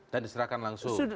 dan diserahkan langsung